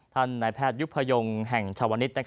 ท่านไนแพทยุภยงแห่งชาวนิจ